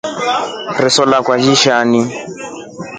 Riso lava lishani.